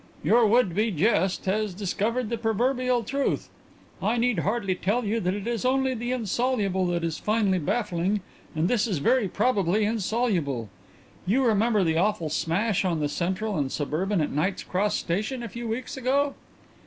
Your would be jest has discovered the proverbial truth. I need hardly tell you that it is only the insoluble that is finally baffling and this is very probably insoluble. You remember the awful smash on the Central and Suburban at Knight's Cross Station a few weeks ago?"